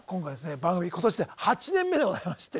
番組今年で８年目でございまして。